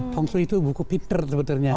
tongsu itu buku pinter sebetulnya